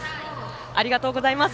ありがとうございます。